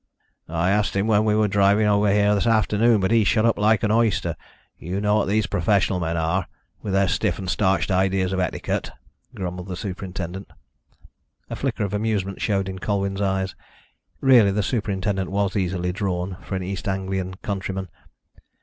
"I asked him when we were driving over here this afternoon, but he shut up like an oyster you know what these professional men are, with their stiff and starched ideas of etiquette," grumbled the superintendent. A flicker of amusement showed in Colwyn's eyes. Really the superintendent was easily drawn, for an East Anglian countryman.